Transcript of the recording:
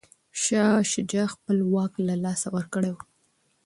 شاه شجاع خپل واک له لاسه ورکړی و.